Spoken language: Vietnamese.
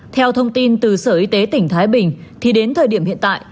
theo thông tin từ sở y tế tỉnh thái bình thì đến thời điểm hiện tại